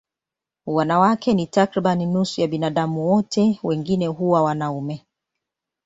Wanawake ni takriban nusu ya binadamu wote, wengine huwa wanaume.